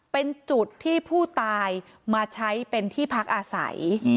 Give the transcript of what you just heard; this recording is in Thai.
เป็นจุดที่ผู้ตายมาใช้เป็นที่พักอาศัย